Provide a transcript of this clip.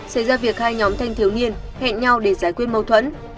xảy ra việc hai nhóm thanh thiếu niên hẹn nhau để giải quyết mâu thuẫn